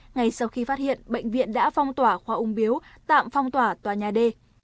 ngay sau khi phát hiện bệnh viện đã phong tỏa khoa ung biếu tạm phong tỏa tòa nhà d